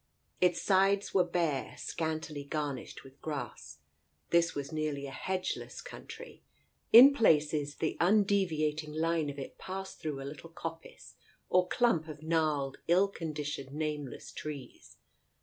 Its sides were bare, scantily garnished with grass. This was nearly a hedgeless country. In places the undeviating line of it passed through a little coppice or clump of gnarled, ill conditioned, nameless trees.